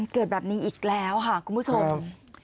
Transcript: เกิดแบบนี้อีกแล้วค่ะคุณผู้ชม